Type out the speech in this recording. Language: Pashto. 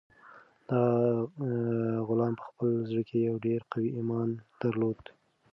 دغه غلام په خپل زړه کې یو ډېر قوي ایمان درلود.